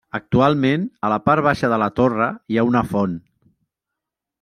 Actualment, a la part baixa de la torre hi ha una font.